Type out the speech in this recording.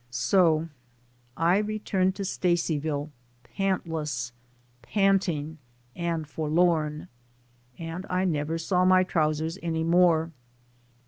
So I returned to Stacyville pantless, panting and forlorn, and I never saw my trousers any more.